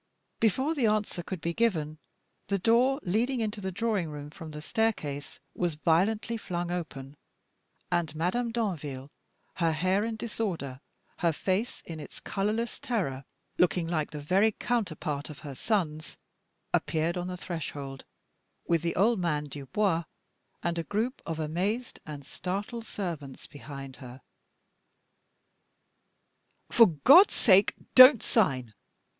Before the answer could be given the door leading into the drawing room from the staircase was violently flung open, and Madame Danville her hair in disorder, her face in its colorless terror looking like the very counterpart of her son's appeared on the threshold, with the old man Dubois and a group of amazed and startled servants behind her. "For God's sake, don't sign!